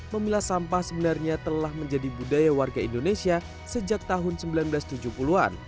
memilah sampah sebenarnya telah menjadi budaya warga indonesia sejak tahun seribu sembilan ratus tujuh puluh an